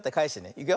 いくよ。